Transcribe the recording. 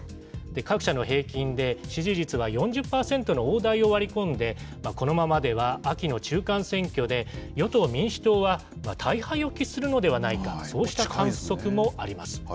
かくしゃの平均で、支持率は４０％の大台を割り込んで、このままでは秋の中間選挙で、与党・民主党は大敗を喫するのではないか、そうした観測もあります。